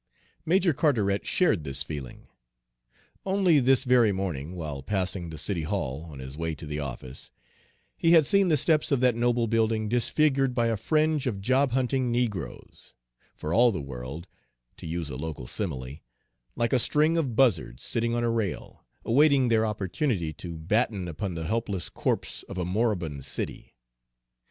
Major Carteret shared this feeling. Only this very morning, while passing the city hall, on his way to the office, he had seen the steps of that noble building disfigured by a fringe of job hunting negroes, for all the world to use a local simile like a string of buzzards sitting on a rail, awaiting their opportunity to batten upon the helpless corpse of a moribund city.